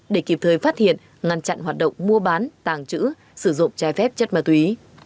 để kịp thời phát hiện ngăn chặn hoạt động mua bán tàng trữ sử dụng trái phép chất ma túy